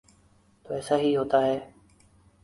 تو ایسا ہی ہوتا ہے۔